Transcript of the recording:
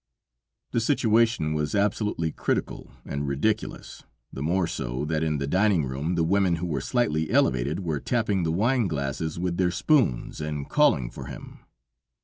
The situation was absolutely critical and ridiculous, the more so, that in the dining room the women who were slightly elevated, were tapping the wine glasses with their spoons, and calling for him.